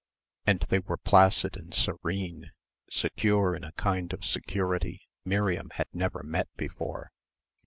And they were placid and serene, secure in a kind of security Miriam had never met before.